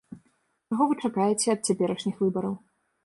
Чаго вы чакаеце ад цяперашніх выбараў?